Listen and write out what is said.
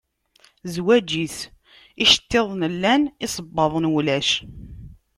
Zwaǧ-is iceṭṭiḍen llan, isebbaḍen ulac.